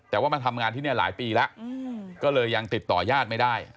แต่ว่ามาทำงานที่นี่หลายปีแล้วก็เลยยังติดต่อยาดไม่ได้